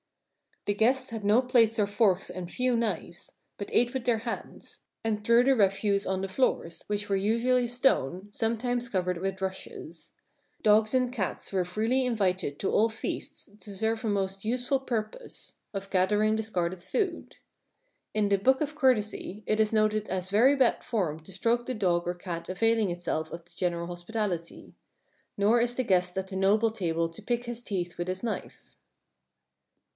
The guests had no plates or forks and few knives, but ate with their hands, and threw the refuse on the floors, which were usually stone, sometimes covered with rushes. Dogs and cats were freely invited invited to all feasts to serve a most useful purpose — of gathering discarded food. In the "Book of Courtesy" it is noted as very bad form to stroke the dog or cat availing itself of the general hospitality. Nor is the guest at the noble table to pick his teeth with his knife.